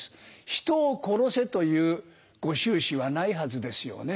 人を殺せというご宗旨はないはずですよね。